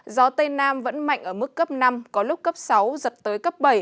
gió tây nam vẫn mạnh ở mức cấp năm có lúc cấp sáu giật tới cấp bảy